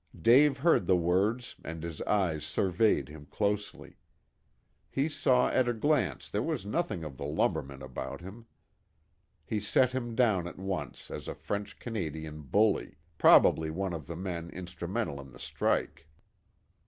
Dave heard the words and his eyes surveyed him closely. He saw at a glance there was nothing of the lumberman about him. He set him down at once as a French Canadian bully, probably one of the men instrumental in the strike.